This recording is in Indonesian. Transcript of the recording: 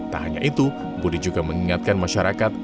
tak hanya itu budi juga mengingatkan masyarakat